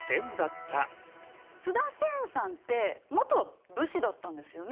津田仙さんって元武士だったんですよね？